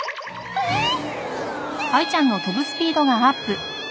えっ！？